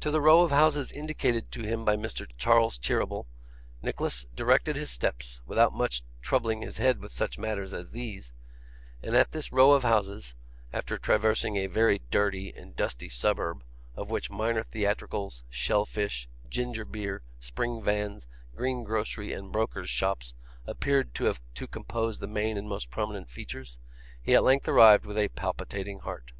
To the row of houses indicated to him by Mr. Charles Cheeryble, Nicholas directed his steps, without much troubling his head with such matters as these; and at this row of houses after traversing a very dirty and dusty suburb, of which minor theatricals, shell fish, ginger beer, spring vans, greengrocery, and brokers' shops, appeared to compose the main and most prominent features he at length arrived with a palpitating heart.